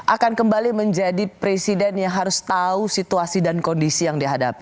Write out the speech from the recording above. akan kembali menjadi presiden yang harus tahu situasi dan kondisi yang dihadapi